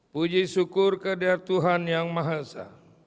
puji syukur ke diatuhan yang mahasaya